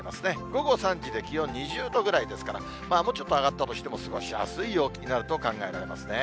午後３時で気温２０度ぐらいですから、もうちょっと上がったとしても過ごしやすい陽気になると考えられますね。